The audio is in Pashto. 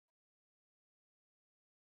افغانستان د قومونه کوربه دی.